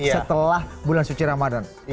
setelah bulan suci ramadhan